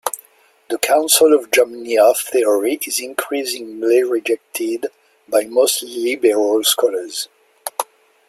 The Council of Jamnia theory is increasingly rejected by most liberal scholars.